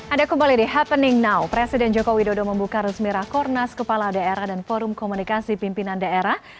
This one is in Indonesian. ada kembali di happening now presiden joko widodo membuka resmi rakornas kepala daerah dan forum komunikasi pimpinan daerah